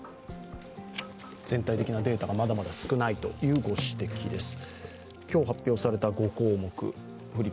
全体的なデータがまだまだ少ないという御指摘です。